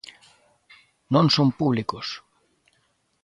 ¡Non son públicos!